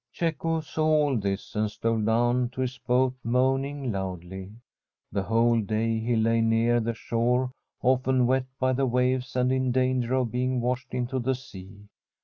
Cecco saw all this, and stole down to his boat moaning loudly. The whole day he lay near the shore, often wet by the waves and in danger of being washed into the sea.